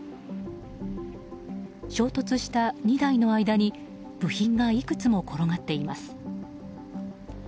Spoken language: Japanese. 衝突した２台の間に部品がいくつも転がっています。